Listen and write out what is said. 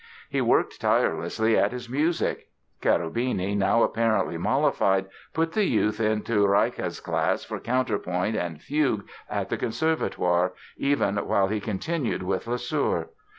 He worked tirelessly at his music. Cherubini, now apparently mollified, put the youth into Reicha's class for counterpoint and fugue at the Conservatoire, even while he continued with Lesueur.